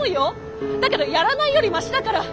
だけどやらないよりマシだから。